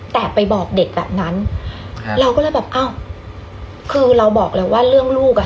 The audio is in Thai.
แต่ไปบอกเด็กแบบนั้นครับเราก็เลยแบบอ้าวคือเราบอกเลยว่าเรื่องลูกอ่ะ